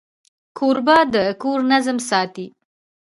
کوربه د کور نظم ساتي.